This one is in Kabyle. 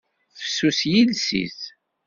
Fessus yiles-is.